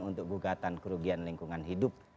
enam belas sembilan untuk gugatan kerugian lingkungan hidup